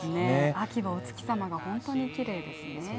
秋のお月様が本当にきれいですね。